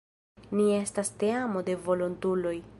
Ni estas teamo de volontuloj.